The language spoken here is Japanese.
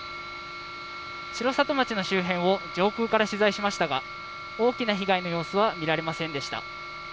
城里町の周辺を上空から取材しましたが大きな被害の様子は見られませんでした。